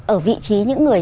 ở vị trí những người